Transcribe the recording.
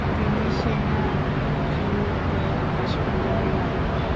তিনি সেনা নিয়ন্ত্রিত হাসপাতালে কাটান।